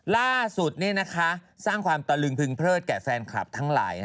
ล่าสุดสร้างความตะลึงพึงเพลิดแก่แฟนคลับทั้งหลาย